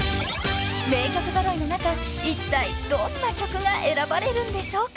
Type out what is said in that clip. ［名曲揃いの中いったいどんな曲が選ばれるんでしょうか］